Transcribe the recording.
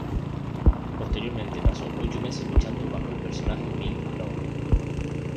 Posteriormente pasó ocho meses luchando bajo el personaje 'Mil Clown'.